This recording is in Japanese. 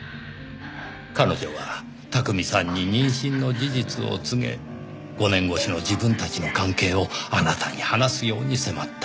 彼女は巧さんに妊娠の事実を告げ５年越しの自分たちの関係をあなたに話すように迫った。